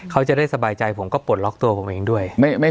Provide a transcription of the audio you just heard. ก็ปลดล็อกตัวผมอีกด้วย